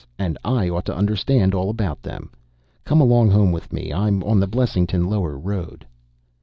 And I ought to understand all about them. Come along home with me. I'm on the Blessington lower road."